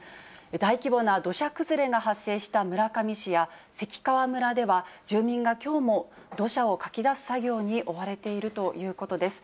大規模な土砂崩れが発生した村上市や関川村では、住民がきょうも土砂をかき出す作業に追われているということです。